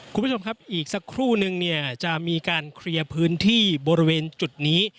คุณผู้ชมครับอีกสักครู่นึงเนี่ยจะมีการเคลียร์พื้นที่บริเวณจุดนี้